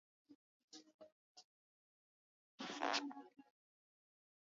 Ujue kwamba ushazama kwa kina wewe